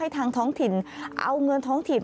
ทางท้องถิ่นเอาเงินท้องถิ่น